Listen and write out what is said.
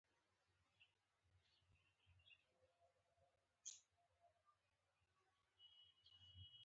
د ویګیانو له لوري د خلکو د حقونو د پایمالولو څرګند مثال دی.